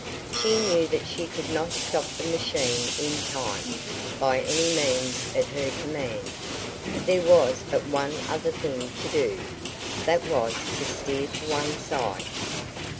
She knew that she could not stop the machine in time, by any means at her command. There was but one other thing to do. That was to steer to one side.